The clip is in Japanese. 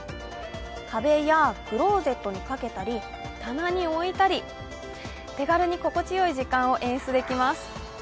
壁やクローゼットにかけたり棚に置いたり手軽に心地よい時間を演出できます。